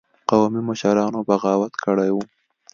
قومي مشرانو بغاوت کړی وو.